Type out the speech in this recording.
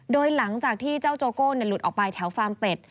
โดยหลังจากที่เจ้าโจโก้หลุดออกไปแถวฟาร์มเป็ด